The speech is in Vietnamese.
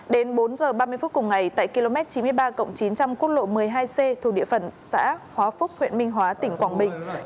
đến bốn h ba mươi phút cùng ngày tại km chín mươi ba chín trăm linh quốc lộ một mươi hai c thuộc địa phận xã hóa phúc huyện minh hóa tỉnh quảng bình